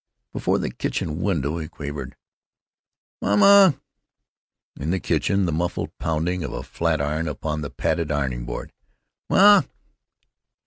Before the kitchen window he quavered: "Ma ma!" In the kitchen, the muffled pounding of a sad iron upon the padded ironing board. "Ma!"